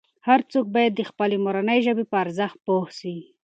هر څوک باید د خپلې مورنۍ ژبې په ارزښت پوه سي.